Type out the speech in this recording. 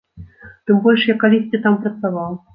Тым больш я калісьці там працаваў.